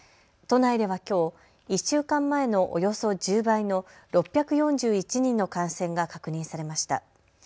都内ではきょう１週間前のおよそ１０倍の６４１人の感染が確認されました。